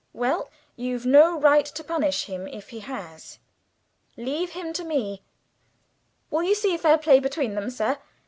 "Well, you've no right to punish him if he has. Leave him to me." "Will you see fair play between them, sir?